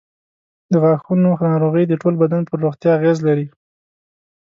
د غاښونو ناروغۍ د ټول بدن پر روغتیا اغېز لري.